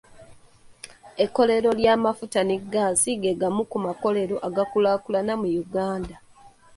Ekkolero ly'amafuta ne ggaasi ge gamu ku makolero agakulaakulana mu Uganda.